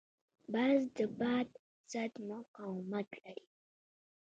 باز د باد ضد مقاومت لري